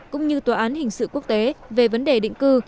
cũng như tòa án hình sự quốc tế về vấn đề định cư